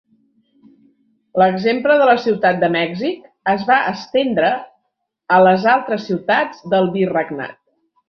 L'exemple de la Ciutat de Mèxic es va estendre a les altres ciutats del virregnat.